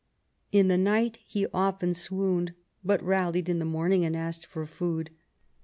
In the night he often swooned, but rallied in the morning and asked for food.